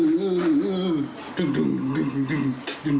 จึ่งโอ้ยจะเหมือนพ่อเอ็นดูไหมคือแบบนี้ล่ะ